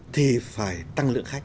thì phải tăng lượng khách